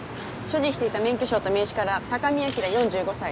所持していた免許証と名刺から高見明４５歳。